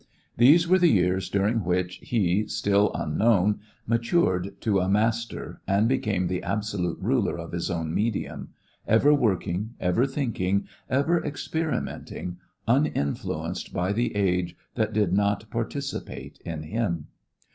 These were the years during which he, still unknown, matured to a master and became the absolute ruler of his own medium, ever working, ever thinking, ever experimenting, uninfluenced by the age that did not participate in him.